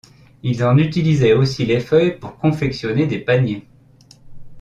Ils en utilisaient aussi les feuilles pour confectionner des paniers.